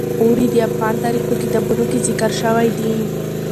اوړي د افغان تاریخ په کتابونو کې ذکر شوی دي.